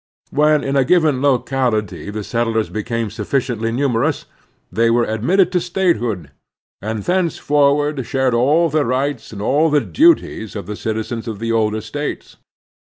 When in a given locality the settlers became sufficiently numeroxis, they Manhood and Statehood 239 were admitted to statehood, and thenceforward shared all the rights and all the duties of the citi zens of the older States.